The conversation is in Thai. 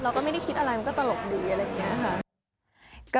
เราก็ไม่ได้คิดอะไรมันก็ตลกดีอะไรอย่างนี้ค่ะ